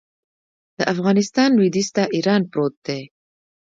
د افغانستان لویدیځ ته ایران پروت دی